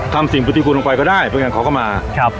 ทำสิ่งปฏิกูลลงไปก็ได้เพราะฉะนั้นขอเข้ามา